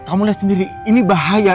kamu lihat sendiri ini bahaya